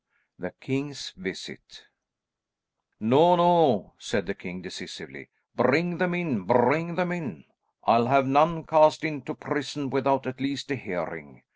THE KING'S VISIT "No, no," said the king decisively, "Bring them in, bring them in. I'll have none cast into prison without at least a hearing.